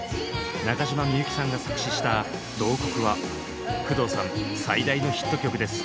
中島みゆきさんが作詞した「慟哭」は工藤さん最大のヒット曲です。